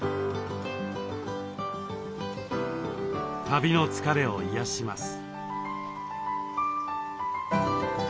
旅の疲れを癒やします。